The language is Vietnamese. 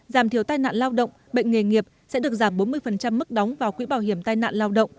giảm thiểu tai nạn lao động bệnh nghề nghiệp sẽ được giảm bốn mươi mức đóng vào quỹ bảo hiểm tai nạn lao động